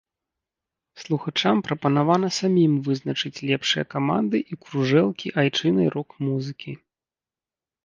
Слухачам прапанавана самім вызначыць лепшыя каманды і кружэлкі айчыннай рок-музыкі.